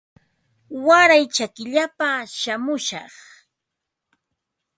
Waray chakillapa shamushaq